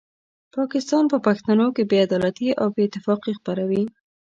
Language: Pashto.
پاکستان په پښتنو کې بې عدالتي او بې اتفاقي خپروي.